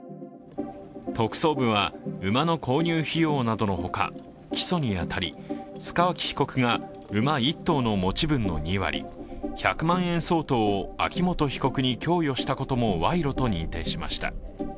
特捜部は馬の購入費用などのほか起訴に当たり、塚脇被告が馬１頭の持ち分の２割、１００万円相当を秋本被告に供与したことも賄賂と認定しました。